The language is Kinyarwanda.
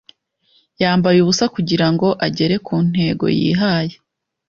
yambaye ubusa kugira ngo agere ku ntego yihaye